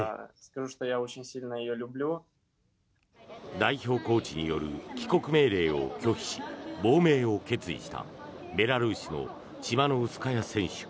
代表コーチによる帰国命令を拒否し亡命を決意したベラルーシのチマノウスカヤ選手。